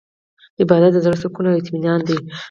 عبادت د زړه سکون او اطمینان دی.